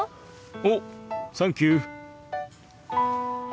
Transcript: おサンキュー。